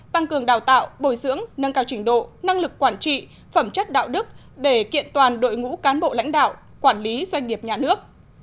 tăng cường đào tạo bồi dưỡng nâng cao trình độ năng lực quản trị phẩm chất đạo đức để kiện toàn đội ngũ cán bộ lãnh đạo quản lý doanh nghiệp nhà nước